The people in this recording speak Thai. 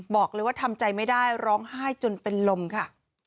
บอกเลยว่าทำใจไม่ได้ร้องไห้จนเป็นลมค่ะ